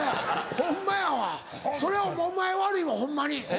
ホンマやわそれはお前悪いわホンマに。